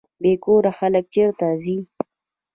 بې کوره خلک چیرته ځي؟